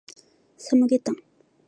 サムゲタン